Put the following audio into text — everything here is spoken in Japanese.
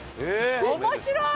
面白い。